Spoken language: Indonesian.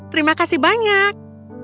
terima kasih banyak